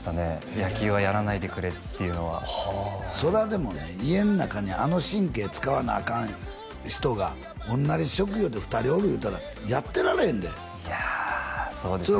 野球はやらないでくれっていうのはそれはでもね家ん中にあの神経使わなあかん人が同じ職業で２人おるいうたらやってられへんでいやそうですね